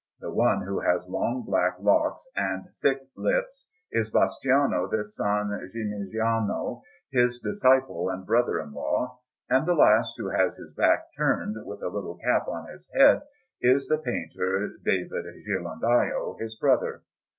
The one who has long black locks and thick lips is Bastiano da San Gimignano, his disciple and brother in law; and the last, who has his back turned, with a little cap on his head, is the painter David Ghirlandajo, his brother.